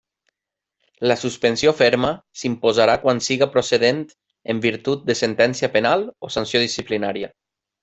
La suspensió ferma s'imposarà quan siga procedent en virtut de sentència penal o sanció disciplinària.